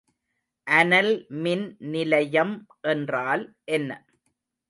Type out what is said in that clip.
அனல் மின்நிலையம் என்றால் என்ன?